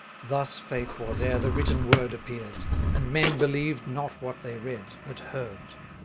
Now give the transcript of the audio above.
Thus faith was ere the written word appear'd, And men believed not what they read, but heard.